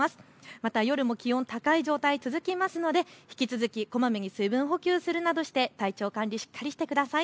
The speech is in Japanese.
また夜も気温、高い状態続きますので引き続きこまめに水分補給するなどして体調管理、しっかりしてください。